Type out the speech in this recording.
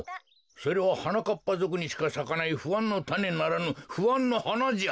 それははなかっぱぞくにしかさかないふあんのたねならぬふあんのはなじゃ。